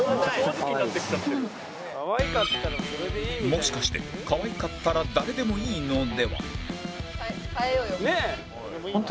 もしかして可愛かったら誰でもいいのでは？